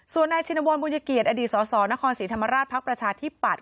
ส่วนนายชินวรบุญเกียรติอดีตสสนครศรีธรรมราชภักดิ์ประชาธิปัตย